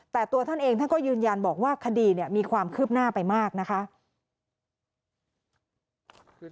แต่ตัวท่านเองท่านก็ยืนยันบอกว่าคดีมีความคืบหน้าไปมากนะคะ